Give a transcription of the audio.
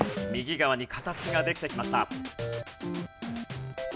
右側に形ができてきました。